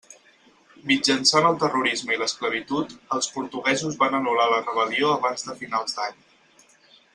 Mitjançant el terrorisme i l'esclavitud, els portuguesos van anul·lar la rebel·lió abans de finals d'any.